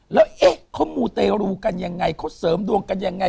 แล้วเอ๊ะเขามูเตรูกันยังไงเขาเสริมดวงกันยังไง